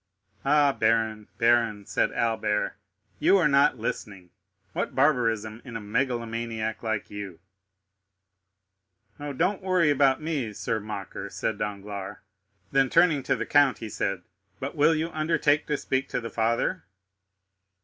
"Ah, baron, baron," said Albert, "you are not listening—what barbarism in a megalomaniac like you!" "Oh, don't worry about me, Sir Mocker," said Danglars; then turning to Monte Cristo he said: "But will you undertake to speak to the father?"